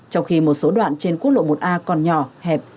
trong khi một số đoạn trên quốc lộ một a còn nhỏ hẹp